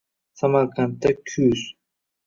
Samarqandda kuz